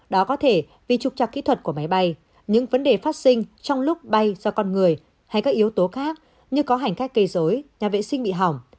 đó có thể vì trục trạc kỹ thuật của máy bay những vấn đề phát sinh trong lúc bay do con người hay các yếu tố khác như có hành khách gây dối nhà vệ sinh bị hỏng